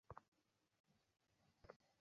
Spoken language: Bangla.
আমাদের বাথরুমে কী করছিস?